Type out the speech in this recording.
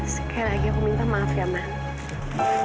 sekali lagi aku minta maaf ya mas